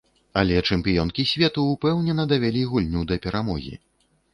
Але чэмпіёнкі свету ўпэўнена давялі гульню да перамогі.